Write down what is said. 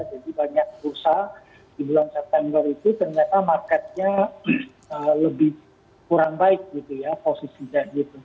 jadi banyak perusahaan di bulan september itu ternyata marketnya lebih kurang baik gitu ya posisinya gitu